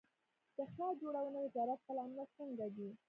د ښار جوړونې وزارت پلانونه څنګه دي؟